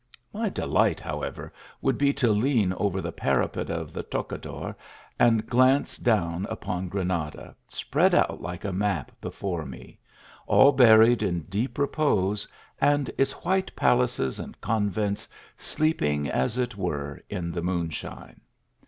My delight, however, would be to lean over the parapet of the tocador, and gaze down upon Granada, spread out like a map below me : rill buried in deep repose, and its white palaces and convents sleeping as it were in the moonshine.